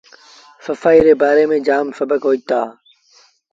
سڦآئيٚ ري بآري ميݩ جآم سبڪ هوئيٚتآ۔